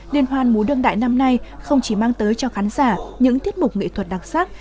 liên hoan múa đương đại năm nay không chỉ mang tới cho khán giả những tiết mục nghệ thuật đặc sắc